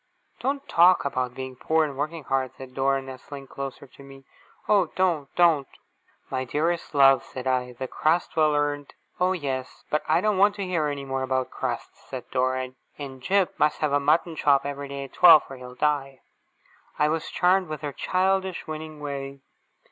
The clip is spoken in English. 'Don't talk about being poor, and working hard!' said Dora, nestling closer to me. 'Oh, don't, don't!' 'My dearest love,' said I, 'the crust well earned ' 'Oh, yes; but I don't want to hear any more about crusts!' said Dora. 'And Jip must have a mutton chop every day at twelve, or he'll die.' I was charmed with her childish, winning way.